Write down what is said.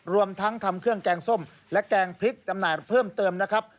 รวมทั้งทำเครื่องแกงส้มและแกงพริกจำหน่ายเพิ่มเติมนะครับ